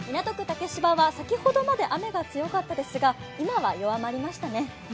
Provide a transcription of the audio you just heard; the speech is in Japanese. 竹芝は先ほどまで雨が強かったんですが今は弱まりましたね。